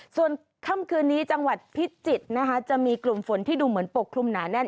ส่วนค่ำคืนนี้จังหวัดพิจิตรนะคะจะมีกลุ่มฝนที่ดูเหมือนปกคลุมหนาแน่น